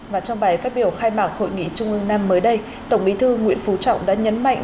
và trong bài phát biểu khai mạc hội nghị trung ương năm mới đây tổng bí thư nguyễn phú trọng đã nhấn mạnh